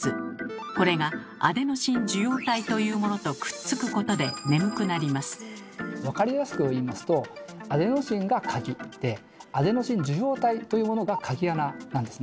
これが「アデノシン受容体」というものとくっつくことで分かりやすく言いますとアデノシンが「鍵」でアデノシン受容体というものが「鍵穴」なんですね。